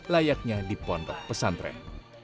layaknya di pondok pesantren